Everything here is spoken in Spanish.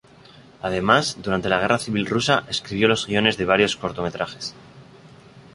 Además, durante la Guerra Civil Rusa escribió los guiones de varios cortometrajes.